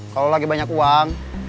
kalau lagi banyak uang